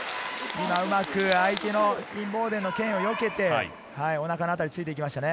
今うまく相手のインボーデンの剣をよけて、お腹の辺りを突いていきましたね。